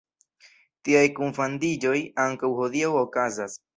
Tiaj kunfandiĝoj ankaŭ hodiaŭ okazas.